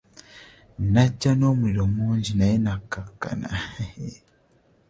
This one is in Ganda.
Nnajja n'omuliro mungi naye nnakkakkana.